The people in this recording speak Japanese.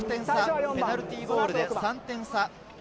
ペナルティーゴールで３点差。